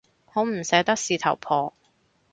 好唔捨得事頭婆